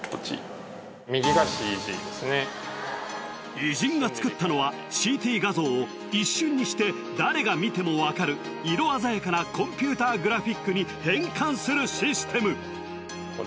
偉人が作ったのはＣＴ画像を一瞬にして誰が見ても分かる色鮮やかなコンピューターグラフィックに変換するシステム